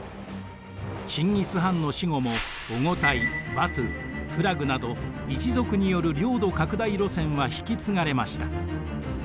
チンギス・ハンの死後もオゴタイバトゥフラグなど一族による領土拡大路線は引き継がれました。